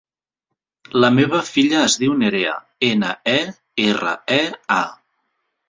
La meva filla es diu Nerea: ena, e, erra, e, a.